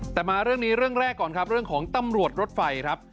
แต่มาเรื่องนี้เรื่องแรกก่อนครับเรื่องของตำรวจรถไฟครับ